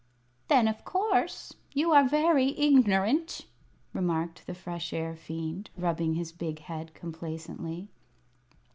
"Then, of course, you are very ignorant," remarked the Fresh Air Fiend, rubbing his big head complacently.